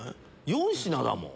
４品だもん。